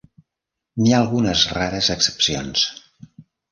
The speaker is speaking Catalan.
N'hi ha algunes rares excepcions.